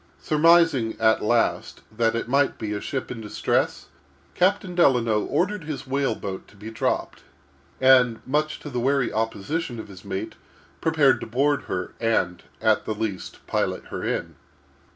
Surmising, at last, that it might be a ship in distress, Captain Delano ordered his whale boat to be dropped, and, much to the wary opposition of his mate, prepared to board her, and, at the least, pilot her in.